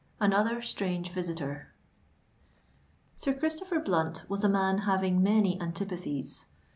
—ANOTHER STRANGE VISITOR. Sir Christopher Blunt was a man having many antipathies.